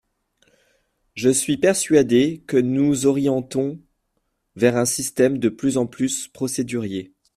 Je suis persuadé que nous orientons vers un système de plus en plus procédurier.